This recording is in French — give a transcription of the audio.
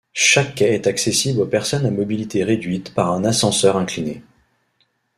Chaque quai est accessible aux personnes à mobilité réduite par un ascenseur incliné.